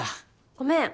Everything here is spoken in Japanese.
ごめん。